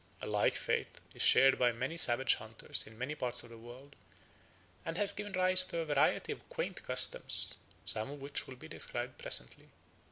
A like faith is shared by many savage hunters in many parts of the world and has given rise to a variety of quaint customs, some of which will be described presently.